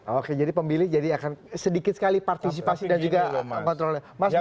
oke jadi pemilih jadi akan sedikit sekali partisipasi dan juga kontrolnya